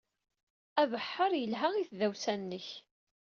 Abeḥḥer yelha i tdawsa-nnek.